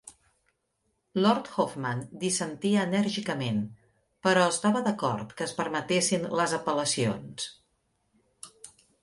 Lord Hoffmann dissentia enèrgicament, però estava d'acord que es permetessin les apel·lacions.